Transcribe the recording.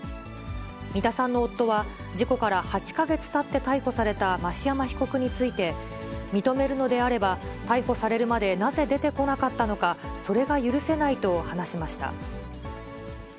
三田さんの夫は、事故から８か月たって逮捕された増山被告について、認めるのであれば、逮捕されるまでなぜ出てこなかったのか、それが許せないと話しました。